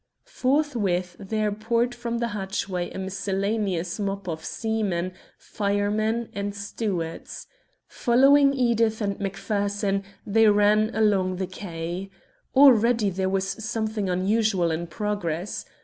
Forthwith there poured from the hatchway a miscellaneous mob of seamen, firemen and stewards. Following Edith and Macpherson, they ran along the quay. Already there was something unusual in progress.